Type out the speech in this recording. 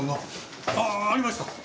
あありました。